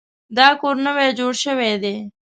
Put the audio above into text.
دا کور نوی جوړ شوی دی